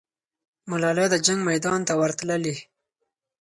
ملالۍ د جنګ میدان ته ورتللې.